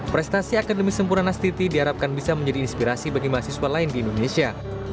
prestasi akademis sempurna nasti ti diharapkan bisa menjadi inspirasi bagi mahasiswa lain di indonesia